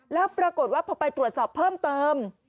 แล้วปรากฏว่าพอไปตรวจสอบเพิ่มเติม